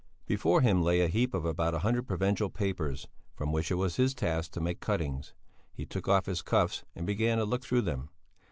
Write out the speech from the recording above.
Before him lay a heap of about a hundred provincial papers, from which it was his task to make cuttings. He took off his cuffs and began to look through them.